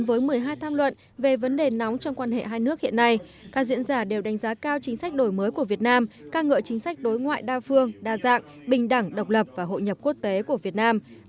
với một mươi hai tham luận về vấn đề nóng trong quan hệ hai nước hiện nay các diễn giả đều đánh giá cao chính sách đổi mới của việt nam ca ngợi chính sách đối ngoại đa phương đa dạng bình đẳng độc lập và hội nhập quốc tế của việt nam